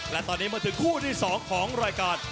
และตอนนี้มันคือคู่ดถสองของแพทย์